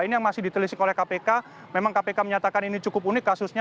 ini yang masih ditelisik oleh kpk memang kpk menyatakan ini cukup unik kasusnya